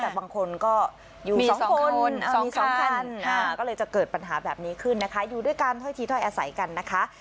แต่บางคนก็อยู่สองคนมีสองคันก็เลยจะเกิดปัญหาแบบนี้ขึ้นนะคะอยู่ด้วยกันถ้อยทีถ้อยอาศัยกันนะคะ